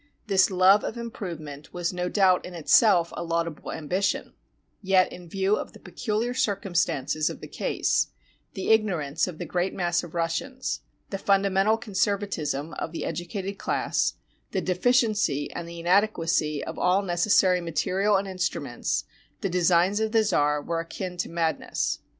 This love of improvement was no doubt in itself a laudable ambition; yet in view of the pecuhar circumstances of the case, the ignorance of the great mass of Russians, the fundamental conservatism of the educated class, the deficiency and the inadequacy of all necessary material and instruments, the designs of the czar were akin to madness.